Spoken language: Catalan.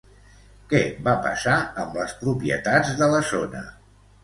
Què va passar amb les propietats de la zona?